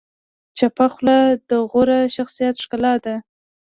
چپه خوله، د غوره شخصیت ښکلا ده.